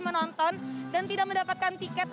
menonton dan tidak mendapatkan tiket